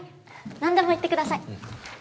何でも言ってください！